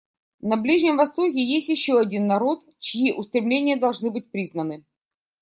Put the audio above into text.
На Ближнем Востоке есть еще один народ, чьи устремления должны быть признаны.